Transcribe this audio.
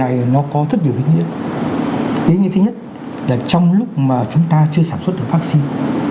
ý nghĩa thứ nhất là trong lúc mà chúng ta chưa sản xuất được vắc xin